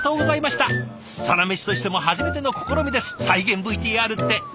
「サラメシ」としても初めての試みです再現ＶＴＲって。